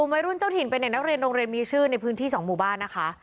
วัยรุ่นเจ้าถิ่นเป็นเด็กนักเรียนโรงเรียนมีชื่อในพื้นที่สองหมู่บ้านนะคะ